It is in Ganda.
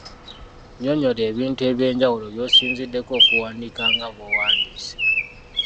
Nnyonnyola ebintu eby'enjawulo by'osinziddeko okuwandiika nga bw'owandiise.